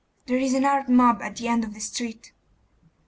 'There is an armed mob at the end of the street.